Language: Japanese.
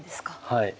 はい。